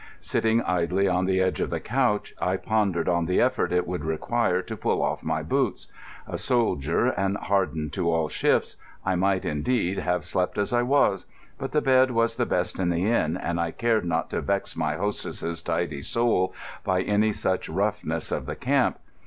Sitting idly on the edge of the couch, I pondered on the effort it would require to pull off my boots. A soldier, and hardened to all shifts, I might, indeed, have slept as I was; but the bed was the best in the inn, and I cared not to vex my hostess's tidy soul by any such roughness of the camp.